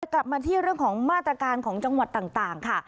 กลับมาที่เรื่องของมาตรการของจังหวัดต่างค่ะ